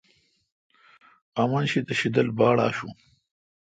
آمن شی تہ شیدل باڑآشون۔